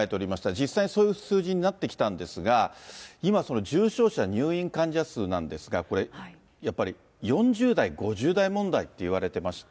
実際にそういう数字になってきたんですが、今、重症者、入院患者数なんですが、これ、やっぱり４０代、５０代問題っていわれてまして。